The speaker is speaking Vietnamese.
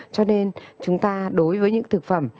cho nên chúng ta đối với những thực phẩm